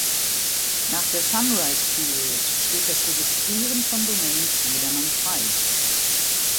Nach der Sunrise Period steht das Registrieren von Domains jedermann frei.